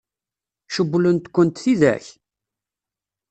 Cewwlent-kent tidak?